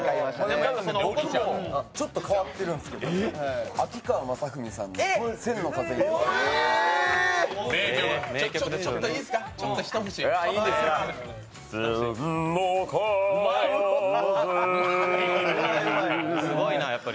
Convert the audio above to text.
僕、ちょっと変わってるんですけど、秋川雅史さんの「千の風になって」。